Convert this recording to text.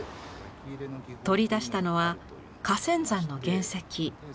取り出したのは花仙山の原石。